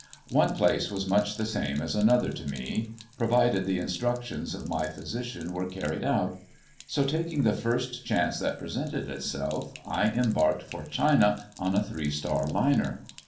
One place was much the same as another to me, provided the instructions of my physician were carried out; so, taking the first chance that presented itself, I embarked for China on a Three Star Liner.